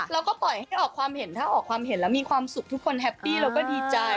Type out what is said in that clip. เราก็ปล่อยให้ออกความเห็นถ้าออกความเห็นแล้วมีความสุขทุกคนแฮปปี้เราก็ดีใจ